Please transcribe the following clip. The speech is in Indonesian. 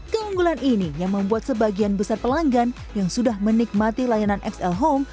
keunggulan ini yang membuat sebagian besar pelanggan yang sudah menikmati layanan xl home